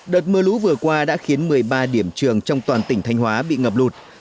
đợt mưa lũ vừa qua đã khiến một mươi ba điểm trường trong toàn tỉnh thanh hóa bị ngập lụt